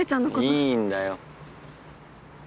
いいんだよ。